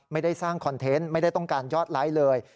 ไม่ได้สร้างคอนเทนต์ไม่ได้ต้องการยอดไลค์เลย